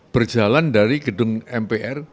berjalan dari gedung mpr